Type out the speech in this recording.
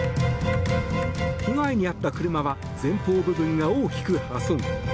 被害に遭った車は前方部分が大きく破損。